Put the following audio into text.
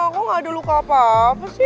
kok gak ada luka apa apa sih